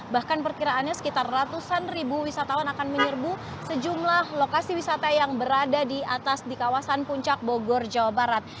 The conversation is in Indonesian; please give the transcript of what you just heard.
bahkan perkiraannya sekitar ratusan ribu wisatawan akan menyerbu sejumlah lokasi wisata yang berada di atas di kawasan puncak bogor jawa barat